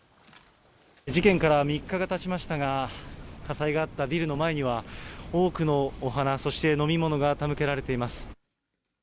事件から３日がたちましたが、火災があったビルの前には、多くのお花そして、飲み物が手向けられています。